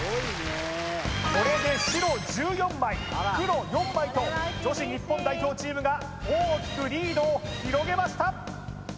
これで白１４枚黒４枚と女子日本代表チームが大きくリードを広げました